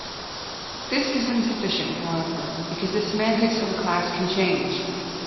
This is insufficient, however, because the semantics of a class can change.